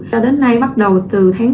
cho đến nay bắt đầu từ tháng bảy